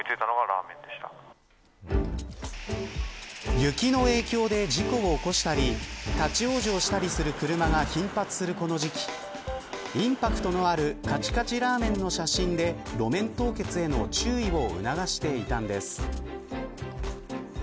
雪の影響で事故を起こしたり立ち往生したりする車が頻発するこの時期インパクトのあるかちかちラーメンの写真で路面凍結への注意を促していたんです。